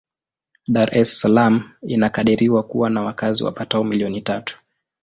Dar es Salaam inakadiriwa kuwa na wakazi wapatao milioni tatu.